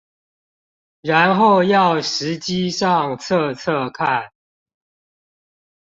然後要實機上測測看